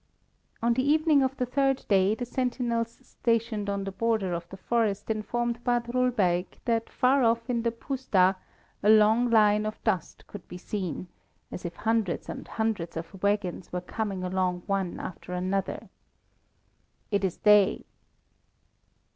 On the evening of the third day the sentinels stationed on the border of the forest informed Badrul Beg that far off in the puszta a long line of dust could be seen, as if hundreds and hundreds of waggons were coming along one after another. "It is they!"